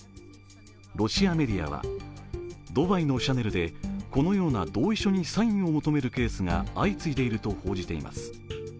ロシアメディアは、ドバイのシャネルでこのような同意書にサインを求めるケースが相次いでいると報じています。